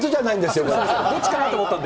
どっちかなと思ったんで。